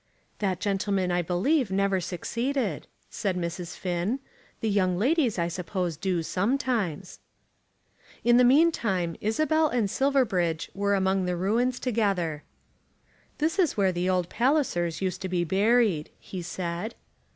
"That gentleman I believe never succeeded," said Mrs. Finn. "The young ladies I suppose do sometimes." In the meantime Isabel and Silverbridge were among the ruins together. "This is where the old Pallisers used to be buried," he said.